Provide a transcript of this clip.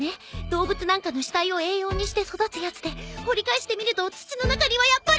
動物なんかの死体を栄養にして育つやつで掘り返してみると土の中にはやっぱり。